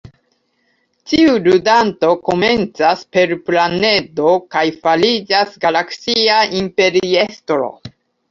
Ĉiu ludanto komencas "per planedo" kaj fariĝas galaksia imperiestro.